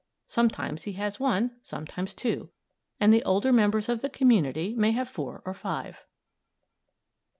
Sometimes he has one, sometimes two; and the older members of the community may have four or five.